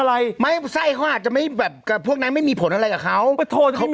อาจจะมีปฏิหารเรื่องต่อหนุ่ม